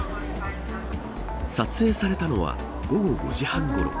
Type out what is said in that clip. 撮影されたのは午後５時半ごろ。